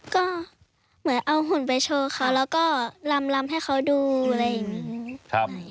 ก็เหมือนเอาหุ่นไปโชว์เขาแล้วก็ลำให้เขาดูอะไรอย่างนี้